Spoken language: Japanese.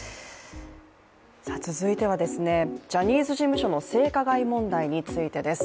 続いてはジャニーズ事務所の性加害問題についてです。